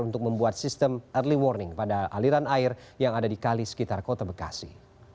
untuk membuat sistem early warning pada aliran air yang ada di kali sekitar kota bekasi